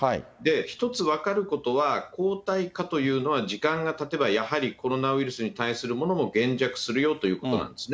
一つ分かることは、抗体価というのは時間がたてばやはりコロナウイルスに対するものも減却するよということなんですね。